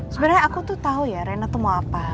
sebenarnya aku tuh tahu ya rena tuh mau apa